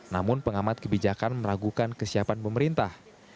namun pengamat kebijakan meragukan kesiapan pemerintah